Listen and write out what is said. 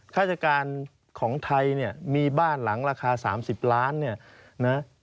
ราชการของไทยเนี่ยมีบ้านหลังราคา๓๐ล้านเนี่ยนะ